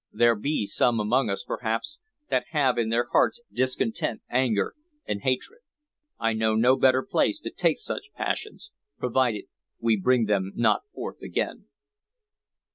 There be some among us, perhaps, that have in their hearts discontent, anger, and hatred. I know no better place to take such passions, provided we bring them not forth again."